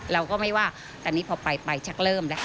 เราก็ไม่ว่าตอนนี้พอไปไปชักเริ่มแล้ว